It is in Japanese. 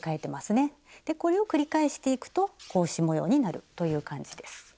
これを繰り返していくと格子模様になるという感じです。